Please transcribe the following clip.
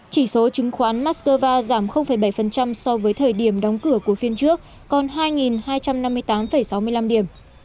chỉ số chứng khoán moscow giảm bảy so với thời điểm đóng cửa của phiên trước còn hai hai trăm năm mươi tám sáu mươi năm điểm